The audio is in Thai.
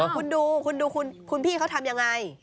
คุณดูคุณพี่เขาทำอย่างไร